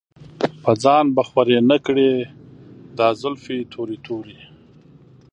پۀ ځان به خوَرې نۀ کړې دا زلفې تورې تورې